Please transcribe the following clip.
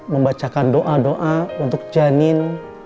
membacakan doa doa untuk janin